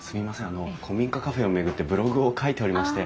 あの古民家カフェを巡ってブログを書いておりまして。